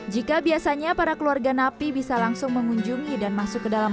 jika biasanya para keluarga napi bisa langsung mengunjungi dan masuk ke dalam